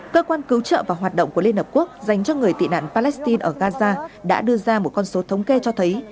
cơ quan cứu trợ và hoạt động của liên hợp quốc dành cho người tị nạn palestine ở gaza đã đưa ra một con số thống kê cho thấy